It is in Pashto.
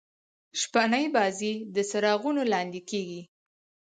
شپنۍ بازۍ د څراغو لانديکیږي.